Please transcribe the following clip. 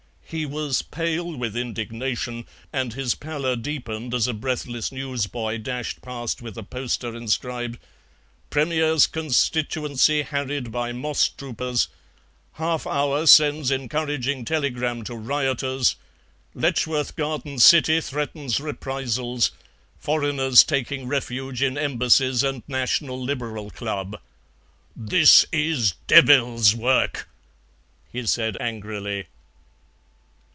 He was pale with indignation, and his pallor deepened as a breathless newsboy dashed past with a poster inscribed: "Premier's constituency harried by moss troopers. Halfour sends encouraging telegram to rioters. Letchworth Garden City threatens reprisals. Foreigners taking refuge in Embassies and National Liberal Club." "This is devils' work!" he said angrily.